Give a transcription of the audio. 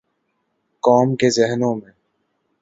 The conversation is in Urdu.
قوم کے ذہنوں میں۔